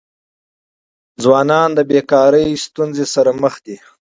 ځوانان د بيکاری ستونزې سره مخ دي.